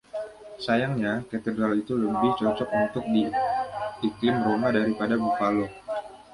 Sayangnya, katedral itu lebih cocok untuk iklim Roma daripada Buffalo.